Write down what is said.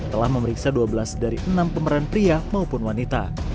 telah memeriksa dua belas dari enam pemeran pria maupun wanita